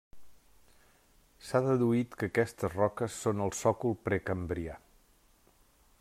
S’ha deduït que aquestes roques són el sòcol precambrià.